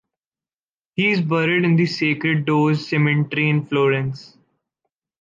He is buried in the Sacred Doors Cemetery in Florence.